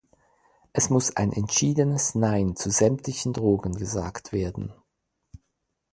Es muss ein entschiedenes "Nein" zu sämtlichen Drogen gesagt werden.